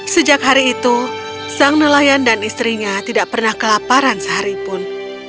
sejak hari itu sang nelayan dan istrinya tidak pernah kelaparan sehari pun